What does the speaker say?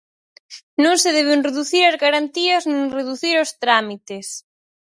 Non se deben reducir as garantías nin reducir os trámites.